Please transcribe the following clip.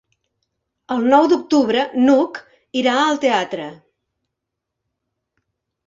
El nou d'octubre n'Hug irà al teatre.